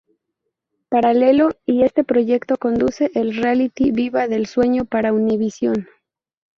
Paralelo a este Proyecto conduce el Reality Viva el Sueño para Univision.